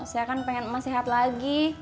saya kan pengen emas sehat lagi